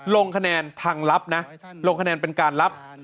ลงคะแนนทางลับนะลงคะแนนเป็นการรับ